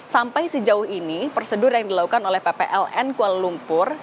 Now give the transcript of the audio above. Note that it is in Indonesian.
sampai sejauh ini prosedur yang dilakukan oleh ppln kuala lumpur